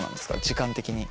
時間的に。